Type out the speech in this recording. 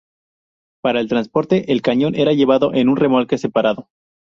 Para el transporte, el cañón era llevado en un remolque separado.